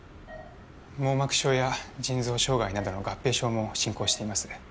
網膜症や腎臓障害などの合併症も進行しています